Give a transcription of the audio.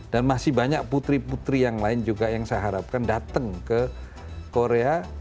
dan masih banyak putri putri yang lain juga yang saya harapkan datang ke korea